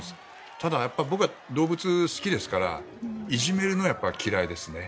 ただ、僕は動物好きですからいじめるのはやっぱり嫌いですね。